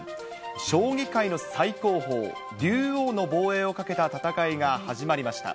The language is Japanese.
将棋界の最高峰、竜王の防衛をかけた戦いが始まりました。